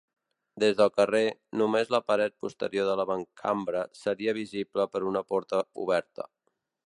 Des del carrer, només la paret posterior de l'avantcambra seria visible per una porta oberta.